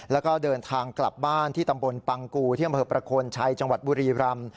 แล้วก็เดินทางกลับบ้านที่ตำบลปังกูที่อำเภอประโคนชัยจังหวัดบุรีรำ